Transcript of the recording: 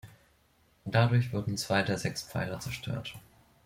Dadurch wurden zwei der sechs Pfeiler zerstört.